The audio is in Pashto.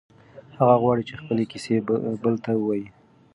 هغه غواړي چې خپلې کیسې بل ته ووایي.